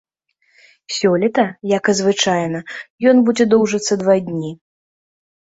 Сёлета, як і звычайна, ён будзе доўжыцца два дні.